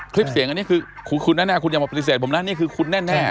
คลิปเสียงเงี้ยคือคุณแน่นุ่ะคุณอย่ามาปฏิเสธผมนะนี้คื้นแน่นุ่ะ